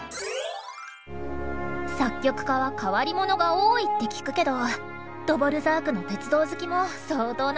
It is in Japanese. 作曲家は変わり者が多いって聞くけどドヴォルザークの鉄道好きも相当なものね。